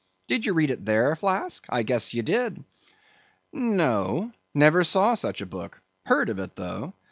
Did ye read it there, Flask? I guess ye did?" "No: never saw such a book; heard of it, though.